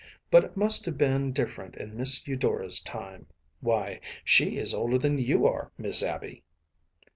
But it must have been different in Miss Eudora’s time. Why, she is older than you are, Miss Abby.